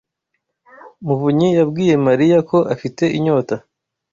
muvunyi yabwiye Mariya ko afite inyota.